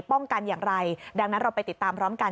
อย่างไรดังนั้นเราไปติดตามพร้อมกัน